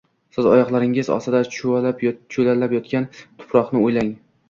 Siz, oyoqlaringiz ostida cho‘llab yotgan tuproqni o‘ylang!